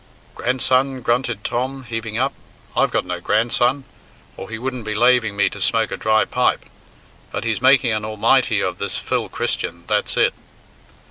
"Grandson!" grunted Tom, heaving up, "I've got no grandson, or he wouldn't be laving me to smoke a dry pipe. But he's making an Almighty of this Phil Christian that's it."